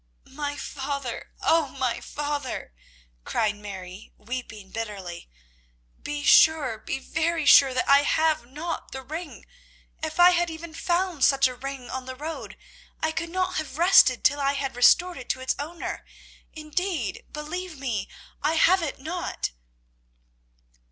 "My father, oh, my father," cried Mary, weeping bitterly, "be sure, be very sure that I have not the ring. If I had even found such a ring on the road I could not have rested till I had restored it to its owner. Indeed, believe me, I have it not."